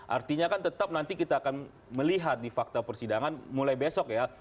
artinya kan tetap nanti kita akan melihat di fakta persidangan mulai besok ya